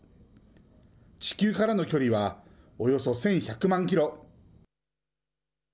地球からの距離はおよそ１１００万キロ。